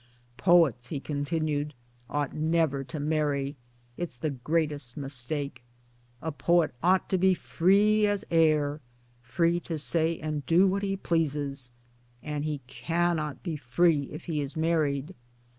]" Poets," he continued, " ought never to marry. It's the greatest mistake. A poet ought to be free as air free to say and do what he pleases and he cannot be free if he is married."